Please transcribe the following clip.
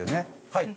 はい。